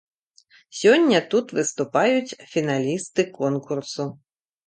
Сёння тут выступаюць фіналісты конкурсу.